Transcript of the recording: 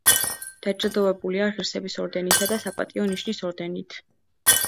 დაჯილდოებულია ღირსების ორდენითა და საპატიო ნიშნის ორდენით.